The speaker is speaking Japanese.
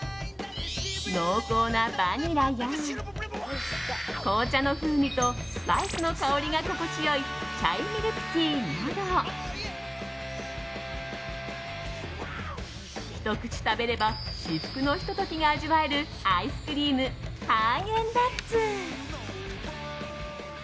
濃厚なバニラや紅茶の風味とスパイスの香りが心地良いチャイミルクティーなどひと口食べれば至福のひと時が味わえるアイスクリーム、ハーゲンダッツ。